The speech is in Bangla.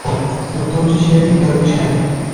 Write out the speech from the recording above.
রক্ত মানুষের শিরায় নাকি কাগজের শিরায়?